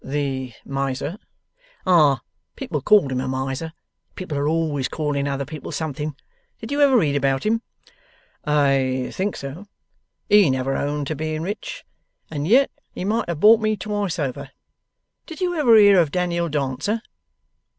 'The miser?' 'Ah, people called him a miser. People are always calling other people something. Did you ever read about him?' 'I think so.' 'He never owned to being rich, and yet he might have bought me twice over. Did you ever hear of Daniel Dancer?